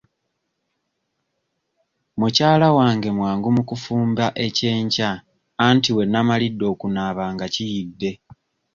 Mukyala wange mwangu mu kufumba ekyenkya anti we nnamalidde okunaaba nga kiyidde.